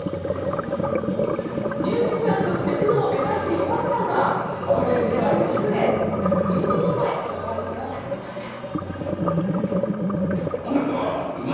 ミュージシャンとしてプロを目指していましたが、その夢は破れ、１２年前、このお店を始めました。